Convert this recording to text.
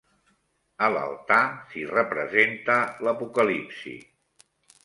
A l'altar s'hi representa l'Apocalipsi.